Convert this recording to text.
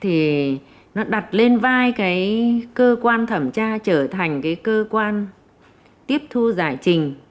thì nó đặt lên vai cái cơ quan thẩm tra trở thành cái cơ quan tiếp thu giải trình